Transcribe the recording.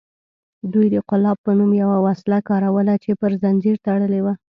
دوی د قلاب په نوم یوه وسله کاروله چې پر زنځیر تړلې وه